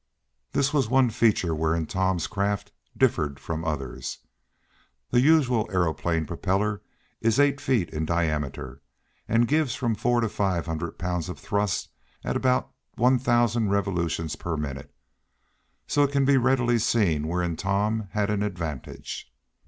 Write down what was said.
This was one feature wherein Tom's craft differed from others. The usual aeroplane propeller is eight feet in diameter, and gives from four to five hundred pounds thrust at about one thousand revolutions per minute, so it can be readily seen wherein Tom had an advantage.